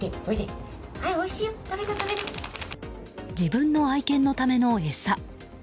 自分の愛犬のための餌。